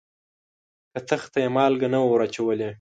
کتغ ته یې مالګه نه وه وراچولې.